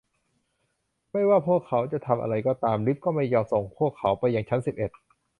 ไม่ว่าพวกเขาจะทำอะไรก็ตาม ลิฟต์ก็ไม่ยอมส่งพวกเขาไปยังชั้นสิบเอ็ด